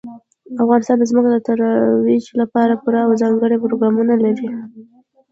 افغانستان د ځمکه د ترویج لپاره پوره او ځانګړي پروګرامونه لري.